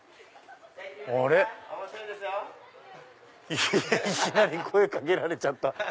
いきなり声掛けられちゃった。